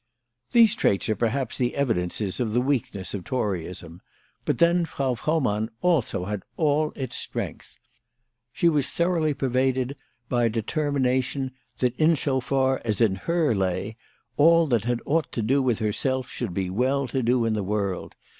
These traits are perhaps the evidences of the weak ness of Toryism ; but then Frau Frohmann also had all its strength. She was thoroughly pervaded by a determination that, in as far as in her lay, all that had aught to do with herself should be "well to do" in the world.